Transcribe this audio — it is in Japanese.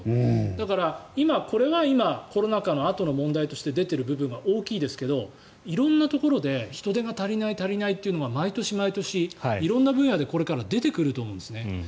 だから、これは今コロナ禍のあとの問題として出ている部分が大きいですが色んなところで人手が足りない、足りないというのは毎年毎年色んな分野で、これから出てくると思うんですね。